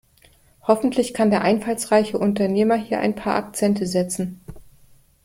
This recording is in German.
Hoffentlich kann der einfallsreiche Unternehmer hier ein paar Akzente setzen.